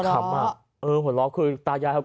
แถมมีสรุปอีกต่างหาก